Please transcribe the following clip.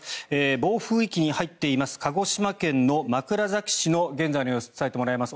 暴風域に入っています鹿児島県の枕崎市の現在の様子を伝えてもらいます。